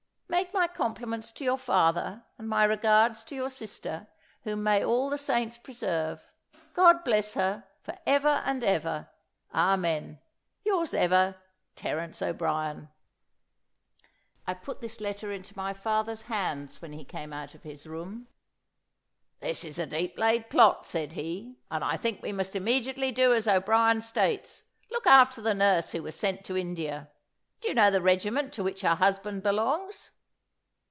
Make my compliments to your father, and my regards to your sister, whom may all the saints preserve! God bless her, for ever and ever. Amen. "Yours ever, "Terence O'Brien." I put this letter into my father's bands when he came out of his room. "This is a deep laid plot," said he, "and I think we must immediately do as O'Brien states look after the nurse who was sent to India. Do you know the regiment to which her husband belongs?"